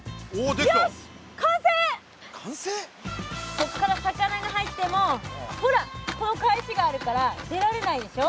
こっから魚が入ってもほらこの返しがあるから出られないでしょ。